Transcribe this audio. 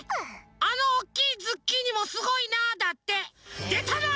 「あのおっきいズッキーニもすごいな」だって。